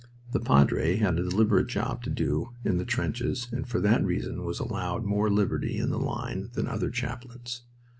The padre had a definite job to do in the trenches and for that reason was allowed more liberty in the line than other chaplains.